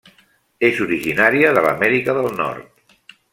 És originària de l'Amèrica del Nord.